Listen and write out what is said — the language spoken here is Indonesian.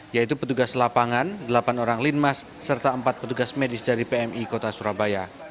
yaitu petugas lapangan delapan orang linmas serta empat petugas medis dari pmi kota surabaya